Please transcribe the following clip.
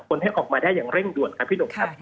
ให้ออกมาได้อย่างเร่งด่วนครับพี่หนุ่มครับ